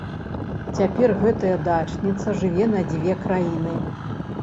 Цяпер гэтая дачніца жыве на дзве краіны.